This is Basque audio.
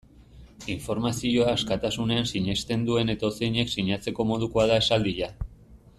Informazioa askatasunean sinesten duen edozeinek sinatzeko modukoa da esaldia.